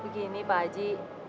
begini pak haji